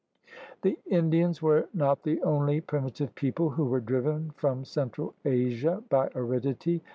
The Indians were not the only primitive people who were driven from central Asia by aridity.